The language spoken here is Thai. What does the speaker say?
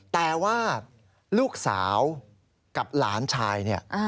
แต่ว่าลูกสาวกับหลานชายเนี่ย